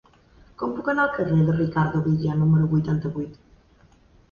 Com puc anar al carrer de Ricardo Villa número vuitanta-vuit?